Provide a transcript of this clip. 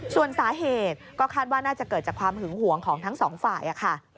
ส่วนสาเหตุก็คาดว่าน่าจะเกิดจากความหึงหวงของทั้งสองฝ่ายค่ะ